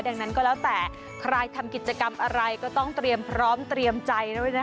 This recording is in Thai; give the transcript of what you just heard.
ดังนั้นก็แล้วแต่ใครทำกิจกรรมอะไรก็ต้องเตรียมพร้อมเตรียมใจด้วยนะ